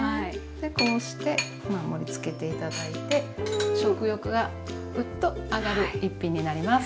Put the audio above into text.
でこうして盛りつけて頂いて食欲がグッと上がる一品になります。